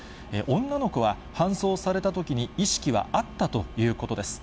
女の子は搬送されたときに意識はあったということです。